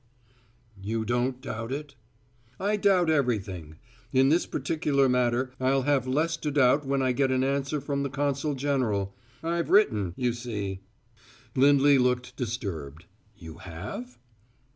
"You don't doubt it?" "I doubt everything! In this particular matter I'll have less to doubt when I get an answer from the consul general. I've written, you see." Lindley looked disturbed. "You have?"